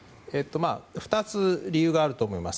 ２つ、理由があると思います。